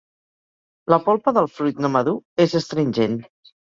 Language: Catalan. La polpa del fruit no madur és astringent.